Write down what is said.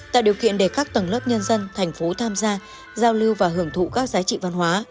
tạo điều kiện để các tầng lớp nhân dân thành phố tham gia giao lưu và hưởng thụ các giá trị văn hóa